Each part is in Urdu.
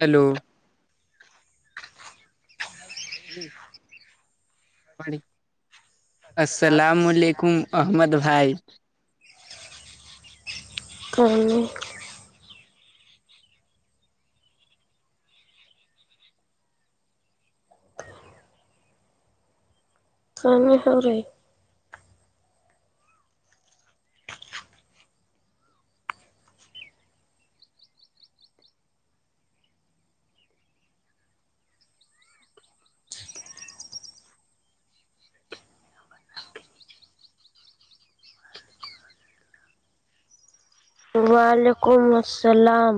ہیلو [inaudible] جی السلام علیکم احمد بھائی کہے کانے ہاوری وعلیکم السلام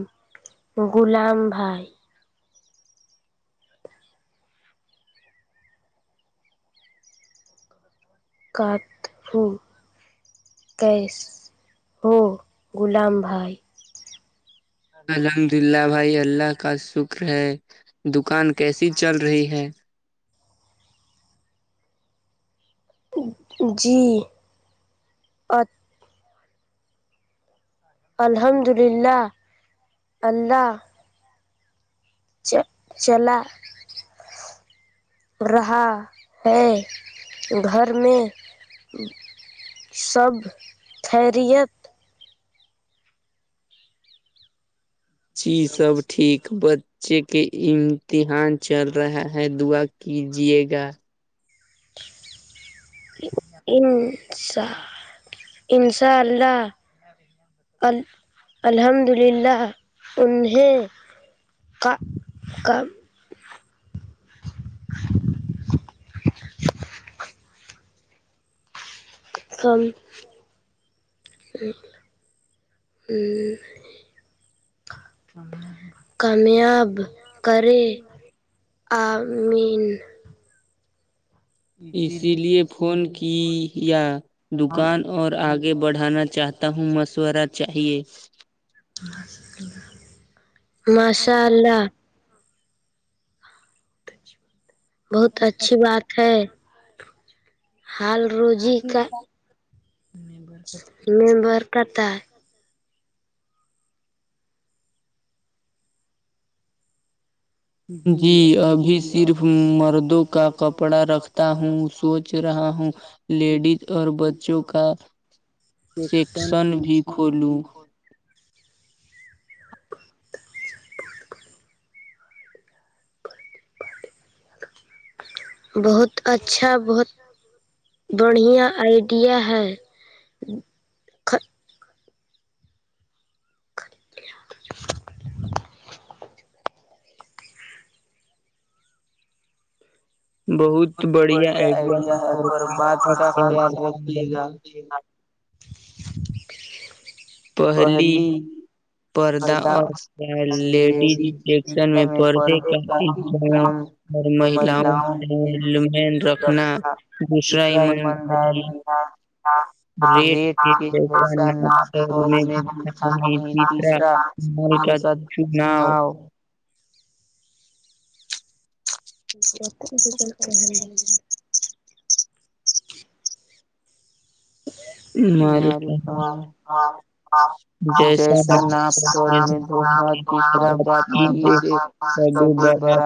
غلام بھائی کٹ ہوں کیس ہو گلام بھائی الحمد اللہ بھائی اللہ کا شکر ہے دکان کیسی چل رہی ہے جی الحمد للہ اللہ چ چل رہا ہے گھر میں سب خیریت چیز سب ٹھیک بچے کے امتحان چل رہا ہے دعا کیجیے گا انشا ان شاء اللہ ج ال الحمد للہ انہیں ک ک ہمم ہ کامیاب کرے آ مین اسی لیے فون کی یا دکان اور آگے بڑھانا چاہتا ہوں مشورہ چاہیے مسلہ بہت اچھی بات ہے حال روزی کا ممبر پتاا جی ابھی صرف مردوں کا کپڑا رکھتا ہوں سوچ رہا ہوں لیڈیز اور بچوں کا سیکشن بھی کھولو بہت اچھا بہت بڑھیا آئیڈیا ہے بہت بڑھیا آئیڈیا ہے پر بات کا خیال رکھھیے گا [unintelligible] پہلی پدہ لیڈیسن میں پردے کا ازام مہیلاو دوسرا ایماندار ریٹ چ ویسا ہے اور ب رہا ہوں تسرا مان ساؤ بت تو مارییک جیسا ناگپور میں دھوکمہ جسرا بات س گوبر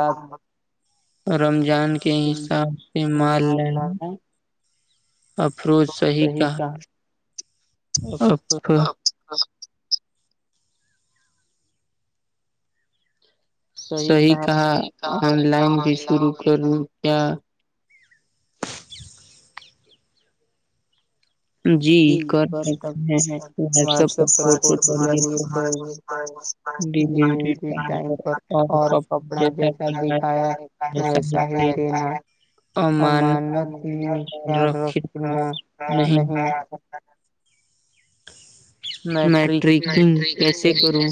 اور رمضان کے حساب سے مال لینا افروز صحی کہا صحیح کہا آن لائن بھی شروع کروں کیا ہ واٹسپ پر فٹو ڈ ڈلیوری ٹائم پر اور کپڑا جیسا دکھایا اسح امانت میں ہی خیال رکھنا نہیں میٹرک کیسے کروں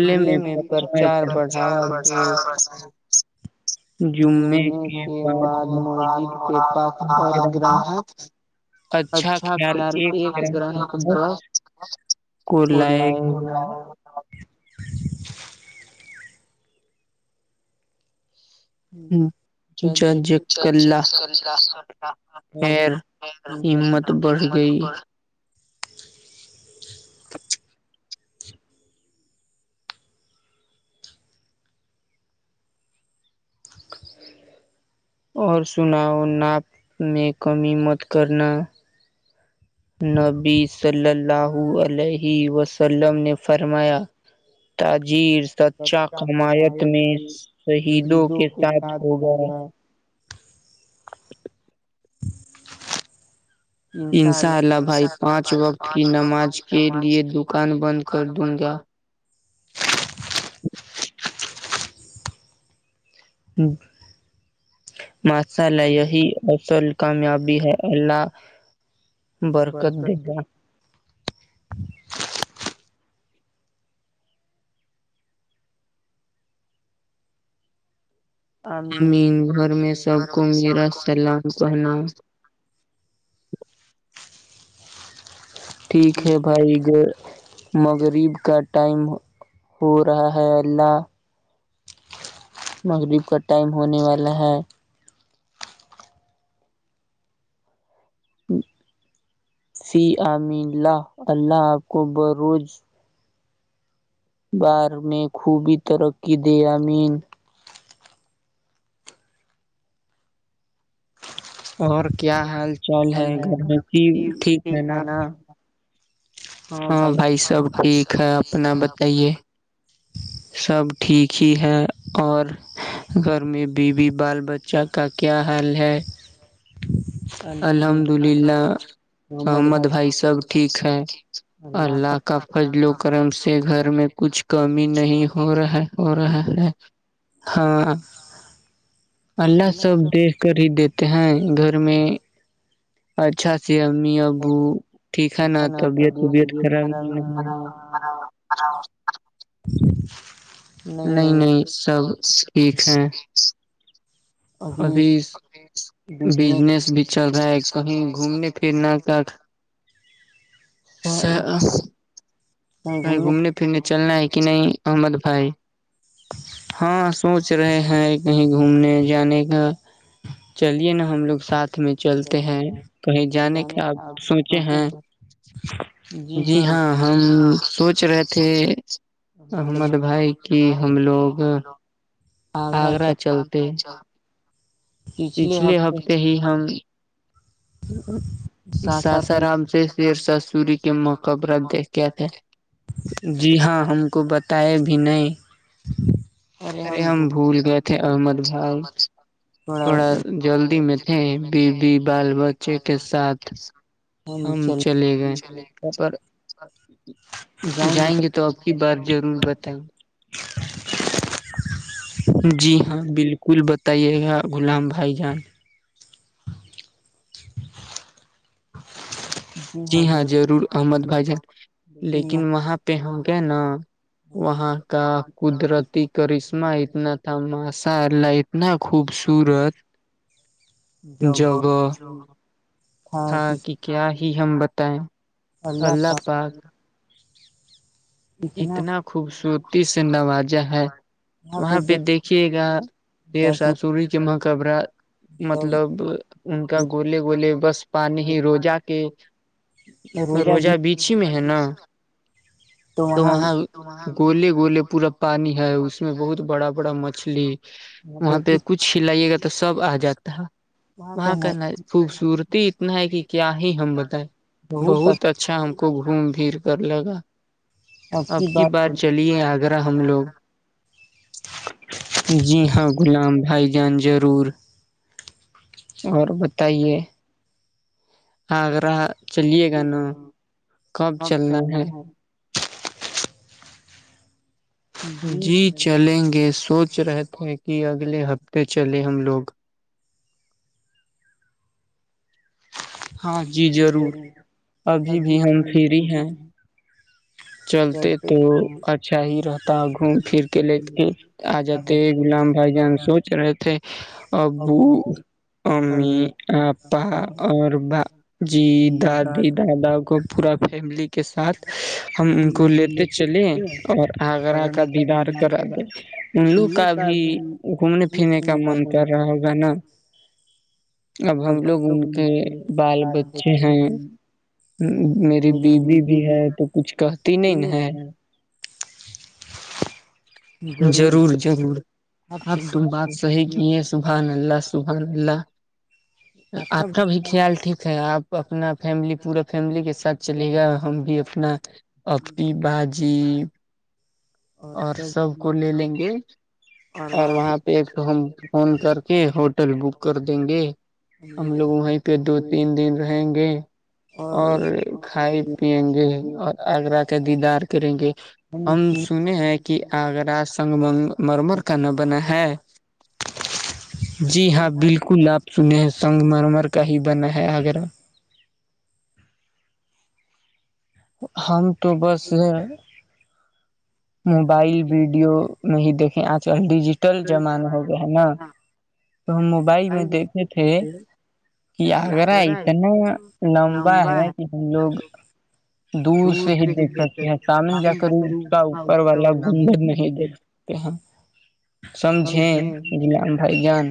محلے میں پرچار پرا جمنے کے بعد موجد کے پاک اور گراہک اچھا خیال ایک گرن ب پور ل گا جج کلا خیر ہمت بڑھ گئی [unintelligible] [unintelligible] اور سنا و ناپ میں کمی مت کرنا نبی صلی اللہ علیہ وسلم نے فرمایا تاجیر سچا قمایت میں شہیدوں کے ساتھ ہوگا انشاء اللہ بھائی پانچ وقت کی نماز کے لیے دکان بند کر دوں گا [unintelligible] ہوں ماشاء اللہ یہی اصل کامیابی ہے اللہ برکت دا امین گھر میں سب کو میرا سلام کہنا ٹھیک ہے بھائی جو مغرب کا ٹائم ہو رہا ہے اللہ مغرب کا ٹائم ہونے والا ہے فی عام اللہ اللہ آپ کو بروز بار میں خوب ہی ترککی دے امین اور کیا حال چال ہے گھر میں کی ٹھیک ہے نا ہاں بھائی سب ٹھیک ہے اپنا بتائیے سب ٹھیک ہی ہے اور گھر میں بیوی بال بچہ کا کیا حال ہے الحمد للہ محمد بھائی سب ٹھیک ہے اللہ کا فضل و کرم سے گھر میں کچھ کمی نہیں ہو رہا ہے اور رہ ہاں اللہ سب دیکھ کر ہی دیتے ہیں گھر میں اچھا سے امی ابو ٹھیک ہے نا طبیعت وبیعت خراب نہیں نہ ہے اں ہاں [unintelligible] نہیں نہیں سب ٹھیک ہے ابھی بجنس بھی چل رہا ہے کہیں گھومنے پھرنا کا کہیں گھومنے پھرنے چلنا ہے کہ نہیں احمد بھائی ہاں سوچ رہے ہیں کہیں گھومنے جانے کا چلیے نا ہم لوگ ساتھ میں چلتے ہیں کہیں جانے کا آپ سوچے ہیں جی ہاں ہم سوچ رہے تھے احمد بھائی کہ ہم لوگ آگرہ چلتے پچھلے ہفتے ہی ہم ساسارام سے شیرسا سوری کے محقبرہ دیکھ کیا تھے جی ہاں ہم کو بتائے بھی نہیں ارے ہم بھول گئے تھے احمد بھؤ تھوڑا جلدی میں تھے بیوی بال بچے کے ساتھ ہم چلے گئے چلے جائیں گے تو آپ کی بات ضرور بتائیں گے جی ہاں بالکل کل بتائیے گا غلام بھائی جان جی ہاں ضرور احمد بھائی جان لیکن وہاں پہ ہم گ نا وہاں کا قدرتی کرشمہ اتنا تھا ماسح اللہ اتنا خوبصورت جگ ہاں کہ کیا ہی ہم بتائیں اللہپ اتنا خوبصورتی سے نوازا ہے وہاں پہ دیکھیے گا ڈر ساس سی کے مقبرہ مطلب ان کا گوولے گوولے بس پانی ہی روجہ کے روزہ بیچ اچھی مح نا [unintelligible] تو وہاں وہ گولے گوولے پورا پانی ہے اس میں بہت بڑا بڑا مچھلی وہاں پہ کچھ ہلائیے گا تو سب آ جاتا ہے وہاں کا ن خوبصورت اتنا ہے کہ کیا ہی ہم بتائے بہت اچھا ہم کو گھوم پھر کر لگا اب کی بات چلیے آگرہ ہم لوگ [unintelligible] جی ہاں غلام بھائی جان ضرور اور بتائیے آگرہ چلیے گا نا کب چلنا ہے جی چلیں گے سوچ رہے تھے کہ اگلے ہفتے چلے ہم لوگ ہاں جی ضرور ابھی بھی ہم فری ہیں چلتے تو اچھا ہی رہتا ہے گھوم پھر کے لیتے آ جاتے غلام بھائی جان سوچ رہے تھے اب وہ امی آپا اور ب جی دادی دادا کو پورا فیملی کے ساتھ ہم ان کو لیتے چلے اور آگرہ کا دییدار کرا دیں انلو کا بھی گھومنے پھرنے کا من کر رہا ہوگا نا اب ہم لوگ ان کے بال بچے ہیں میری بیوی بھی ہے تو کچھ کہتی نہیں ہے ضرور ضرور آپ تم بات صحیح کی ہے سبحان اللہ سبحان اللہ آپ کا بھی خیال ٹھیک ہے آپ اپنا فیملی پورا فیملی کے ساتھ چلے گا ہم بھی اپنا اپ ب جی اور سب کو لے لیں گے اور وہاں پہ تو ہم فون کر کے ہوٹل بک کر دیں گے ج لوگ وہیں پہ دو تین دن رہیں گے اور کھائے پیئیں گے اور آگرہ کا دیدار کریں گے ہم سنے ہیں کہ آگرہ سنگمنگ مرمر کا ن نہ بنا ہے جی ہاں بالکل آپ سنے ہیں سنگ مرمر کا ہی بنا ہے آگرہ ہم تو بس ہے [unintelligible] موبائل ویڈیو میں دیکھیں آج کل ڈیجیٹل زمانہ ہو گیا ہے نا ہم موبائل میں دیکھے تھے کہ آگرہ اتنا لمبا ہے کہ ہم لوگ دور سے ہی دیکھ سکتے ہیں سامل جا کر اس کا اوپر والا گنڈن نہیں دیکھ کہ سمجھےیں ج ام بھائی گان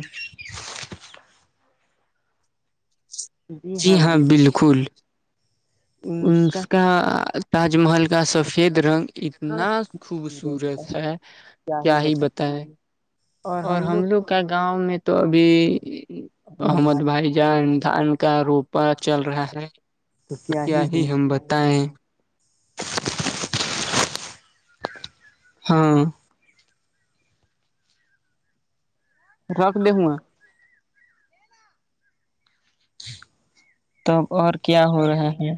جی ہاں بالکل اس کا تاج محل کا سفید رنگ اتنا خوبصورت ہے کیا ہی بتائیں اور ہم لوگ کا گاؤں میں تو ابھی احمد بھائی جانام کا روپا چل رہا ہے تو کیا ہی ہم بتائیں ہاں رکھ د ہو آ تب اور کیا ہو رہا ہے